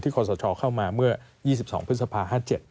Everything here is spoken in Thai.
ขอสชเข้ามาเมื่อ๒๒พฤษภา๕๗